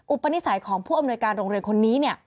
อุปนิสัยของผู้อำนวยการโรงเรียนคนนี้